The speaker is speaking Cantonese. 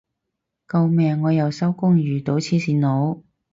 救命我又收工遇到黐線佬